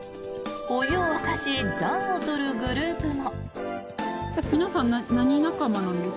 お湯を沸かし暖を取るグループも。